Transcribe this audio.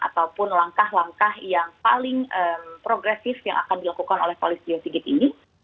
ataupun langkah langkah yang paling progresif yang akan dilakukan oleh polis tio sigit ini